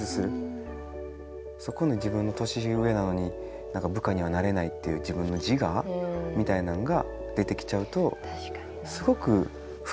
そこで自分年上なのに部下にはなれないっていう自分の自我みたいなのが出てきちゃうとすごく不健康なね。